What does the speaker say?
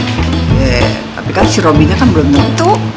tapi kan si robi kan belum nyentuh